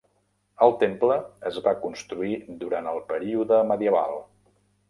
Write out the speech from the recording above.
El temple es va construir durant el període medieval.